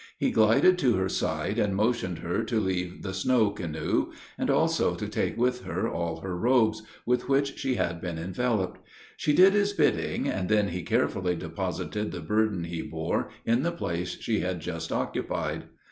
He glided to her side, and motioned to her to leave the snow canoe, and also to take with her all her robes with which she had been enveloped. She did his bidding, and then he carefully deposited the burden he bore in the place she had just occupied.